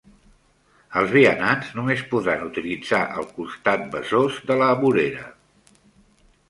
Els vianants només podran utilitzar el costat Besòs de la vorera.